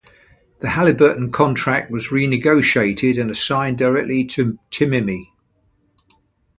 The Halliburton contract was re-negotiated and assigned directly to Timimmi.